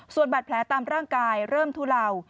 ส่วนบาดแผลตามร่างกายเริ่มทุเลา